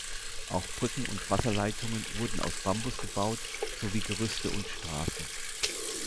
Auch Brücken und Wasserleitungen wurden aus Bambus gebaut, sowie Gerüste und Straßen.